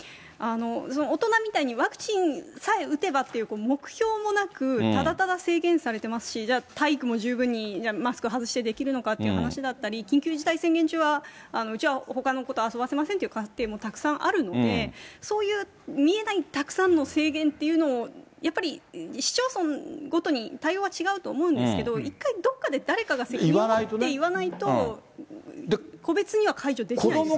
大人みたいにワクチンさえ打てばっていう目標もなく、ただただ制限されてますし、じゃあ、体育も十分にマスク外してできるのかって話だったり、緊急事態宣言中は、うちはほかの子と遊ばせませんという家庭もたくさんあるので、そういう見えないたくさんの制限っていうのをやっぱり市町村ごとに対応は違うと思うんですけど、一回どっかで誰かが責任を持って言わないと、個別には解除できないですよね。